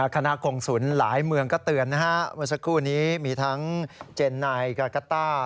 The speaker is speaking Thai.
คณะกรงศูนย์หลายเมืองก็เตือนวันสักครู่นี้มีทั้งเจนไนคาคาต้า